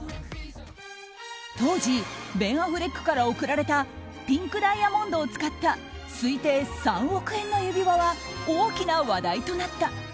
当時、ベン・アフレックから贈られたピンクダイヤモンドを使った推定３億円の指輪は大きな話題となった。